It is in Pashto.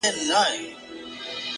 • نه بيزو نه قلندر ورته په ياد وو,